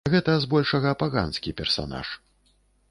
Гэта, збольшага, паганскі персанаж.